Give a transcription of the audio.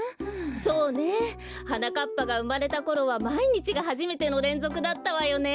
そうねはなかっぱがうまれたころはまいにちがはじめてのれんぞくだったわよね。